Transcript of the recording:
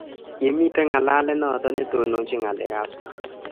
kimito ngalalet noto netondonochini ngalekab sang